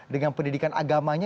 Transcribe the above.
dengan pendidikan agamanya